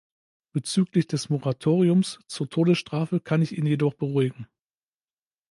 Bezüglich des Moratoriums zur Todesstrafe kann ich ihn jedoch beruhigen.